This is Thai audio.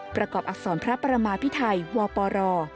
ประกอบอักษรพระประมาพิไทยวปร